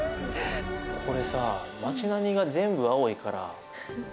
これさ街並みが全部青いから迷いそう。